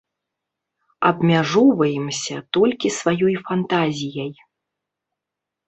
Абмяжоўваемся толькі сваёй фантазіяй.